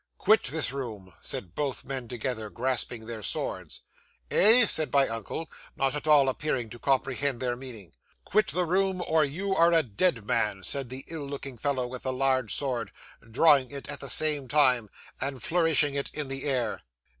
'"Quit this room," said both men together, grasping their swords. '"Eh?" said my uncle, not at all appearing to comprehend their meaning. '"Quit the room, or you are a dead man," said the ill looking fellow with the large sword, drawing it at the same time and flourishing it in the air.